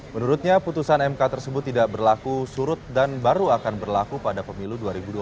menurutnya putusan mk tersebut tidak berlaku surut dan baru akan berlaku pada pemilu dua ribu dua puluh